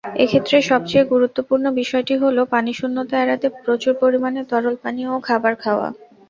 এক্ষেত্রে সবচেয়ে গুরুত্বপূর্ণ বিষয়টি হল পানিশূণ্যতা এড়াতে প্রচুর পরিমাণে তরল পানীয় ও খাবার খাওয়া।